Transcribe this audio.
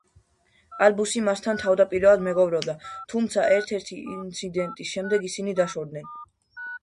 ალბუსი მასთან თავდაპირველად მეგობრობდა, თუმცა ერთ-ერთი ინციდენტის შემდეგ ისინი დაშორდნენ.